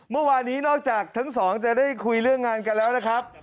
เมื่อวานนี้นอกจากทั้งสองจะได้คุยเรื่องงานกันแล้วนะครับ